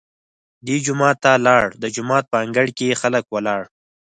دی جومات ته لاړ، د جومات په انګړ کې خلک ولاړ.